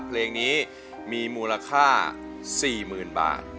เพลงนี้มีมูลค่า๔๐๐๐บาท